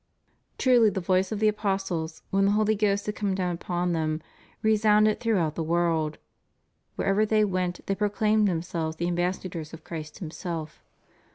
Truly the voice of the apostles, when the Holy Ghost had come down upon them, resounded throughout the world. Wherever they went they proclaimed themselves the ambassadors of Christ Himself.